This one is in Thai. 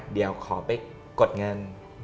เดี๋ยวขอไปกดเงิน